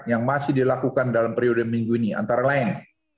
yang masih dilakukan dalam periode minggu ini antara lain